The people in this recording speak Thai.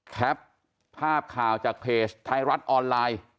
แคปภาพข่าวจากเพจไทยรัฐออนไลน์